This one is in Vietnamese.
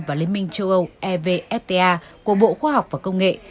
và liên minh châu âu evfta của bộ khoa học và công nghệ